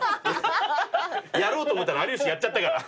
やろうと思ったら有吉やっちゃったから。